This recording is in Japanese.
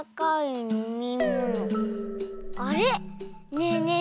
ねえねえ